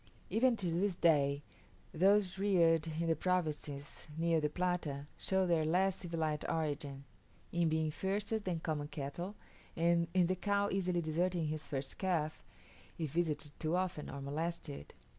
Even to this day, those reared in the provinces near the Plata show their less civilized origin, in being fiercer than common cattle, and in the cow easily deserting her first calf, if visited too often or molested.